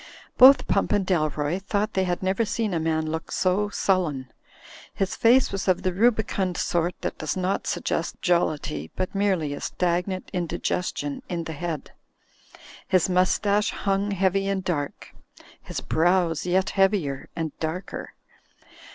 Both Pump and Dalroy thought they had never seen a man look so sullen. His face was of the rubicund sort that does not suggest jollity, but merely a stag nant indigestion in the head. His mustache hung heavy and dark, his brows yet heavier and darker.